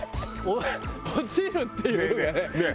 落ちるっていうのがね。